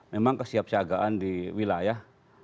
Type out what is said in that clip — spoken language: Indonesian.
memang kesiapsiagaan di wilayah